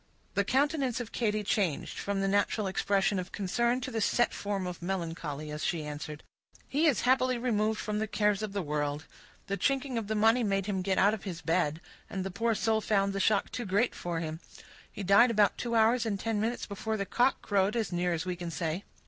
The countenance of Katy changed, from the natural expression of concern, to the set form of melancholy, as she answered,— "He is happily removed from the cares of the world; the chinking of the money made him get out of his bed, and the poor soul found the shock too great for him. He died about two hours and ten minutes before the cock crowed, as near as we can say."